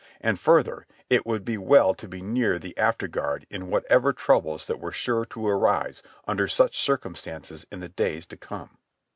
And further, it would be well to be near the afterguard in whatever troubles that were sure to arise under such circumstances in the days to come.